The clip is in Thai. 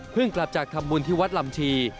เพิ่งกลับจากทำมูลที่วัสด์ลำชี